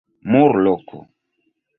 Murloko.